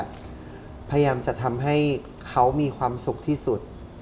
พยายามจะทำให้เขามีความสุขที่สุด